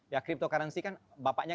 ya cryptocurrency kan bapaknya